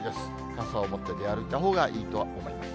傘を持って出歩いたほうがいいとは思います。